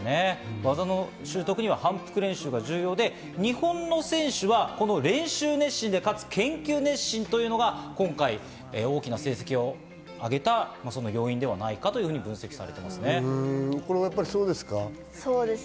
技の習得には反復練習は重要で、日本の選手は練習熱心で研究熱心というのが今回、大きな成績を上げた要因ではないかというふうに分析されています。